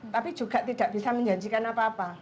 tapi juga tidak bisa menjanjikan apa apa